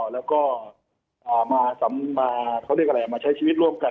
แล้วก็มาใช้ชีวิตร่วมกัน